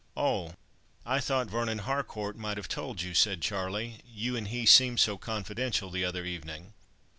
"Oh! I thought Vernon Harcourt might have told you," said Charlie. "You and he seemed so confidential the other evening."